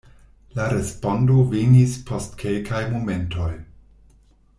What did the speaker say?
La respondo venis post kelkaj momentoj: